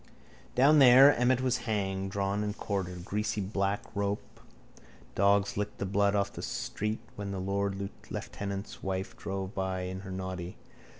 Down there Emmet was hanged, drawn and quartered. Greasy black rope. Dogs licking the blood off the street when the lord lieutenant's wife drove by in her noddy.